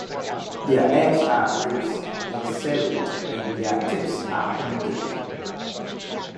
Their edges are ribbed and serrated and their tips are pointed.